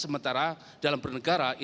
sementara dalam pernegaraan